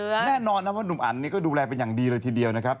แน่นอนนะว่าหนุ่มอันนี้ก็ดูแลเป็นอย่างดีเลยทีเดียวนะครับ